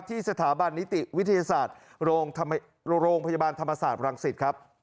ที่สถาบันนิติวิทยาศาสตร์โรงพยาบาลธรรมศาสตร์พลังศิษฐ์